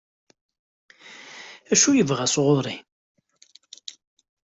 D acu i yebɣa sɣur-i?